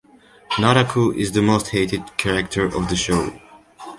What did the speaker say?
Naraku is the most hated character of the show.